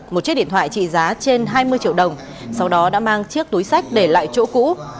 một chiếc điện thoại trị giá trên hai mươi triệu đồng sau đó đã mang chiếc túi sách để lại chỗ cũ